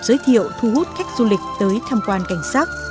giới thiệu thu hút khách du lịch tới tham quan cảnh sát